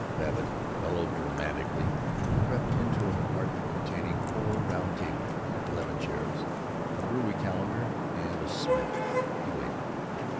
Babbitt melodramatically crept into an apartment containing four round tables, eleven chairs, a brewery calendar, and a smell. He waited.